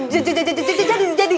jadi jadi jadi